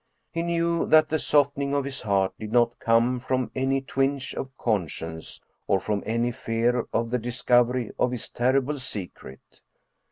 He knew that the softening of his heart did not come from any twinge of conscience or from any fear of the discovery of his terrible secret.